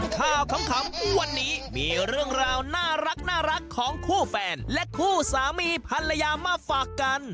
ขำวันนี้มีเรื่องราวน่ารักของคู่แฟนและคู่สามีภรรยามาฝากกัน